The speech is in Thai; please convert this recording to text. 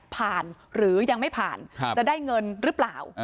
ผ่านหรือยังไม่ผ่านจะได้เงินหรือเปล่า